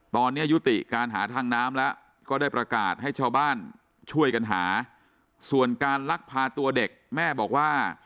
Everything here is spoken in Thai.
ตอนนี้ยุติการหาทางน้ำแล้วก็ได้ประกาศให้ชาวบ้านช่วยกันหาส่วนการลักพาตัวเด็กแม่บอกว่า